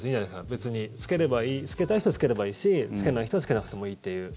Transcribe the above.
別に着けたい人は着ければいいし着けない人は着けなくてもいいという。